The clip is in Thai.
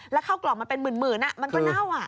แล้วเข้ากล่องมันเป็นหมื่นมันก็เน่า